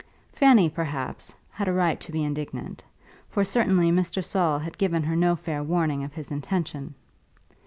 Fanny, perhaps, had a right to be indignant, for certainly Mr. Saul had given her no fair warning of his intention.